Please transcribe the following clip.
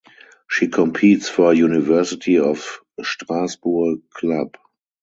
She competes for University of Strasbourg club.